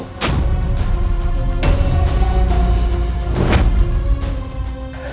mencegah kasih ini